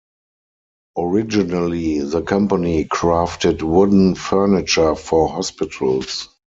Originally, the company crafted wooden furniture for hospitals.